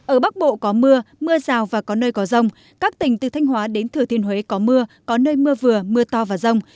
ở bắc bộ có mưa mưa rào và có nơi có rông các tỉnh từ thanh hóa đến thừa thiên huế có mưa có nơi mưa vừa mưa to và rông